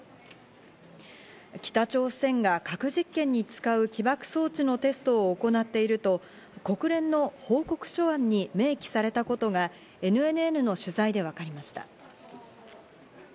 北朝鮮が核実験に使う起爆装置のテストを行っていると国連の報告書案に明記されたことがＮＮＮの取材でわかりました。